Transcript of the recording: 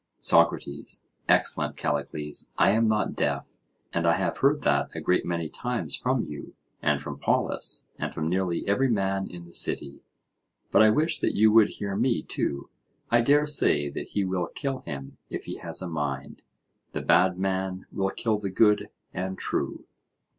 SOCRATES: Excellent Callicles, I am not deaf, and I have heard that a great many times from you and from Polus and from nearly every man in the city, but I wish that you would hear me too. I dare say that he will kill him if he has a mind—the bad man will kill the good and true.